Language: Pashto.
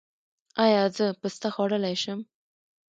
ایا زه پسته خوړلی شم؟